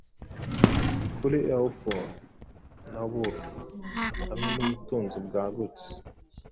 Kuri Eofor na Wulf hamwe nubutunzi bwagutse